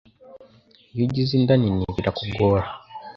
Iyo ugize inda nini birakugora